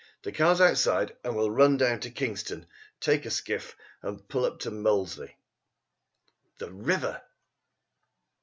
The car's outside, and we'll run down to Kingston, take a skiff and pull up to Molesey." The river!